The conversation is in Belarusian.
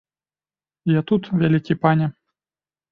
Я тут, вялікі пане!